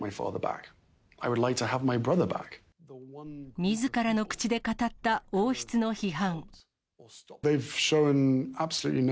みずからの口で語った王室の批判。